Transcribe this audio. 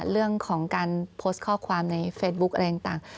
เรื่องของการโพสต์ข้อความในเฟซบุ๊คอะไรต่าง